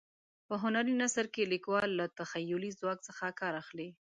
په هنري نثر کې لیکوال له تخیلي ځواک څخه کار اخلي.